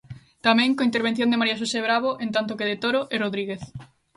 Tamén, coa intervención de María Xosé Bravo, en tanto que De Toro e Rodríguez.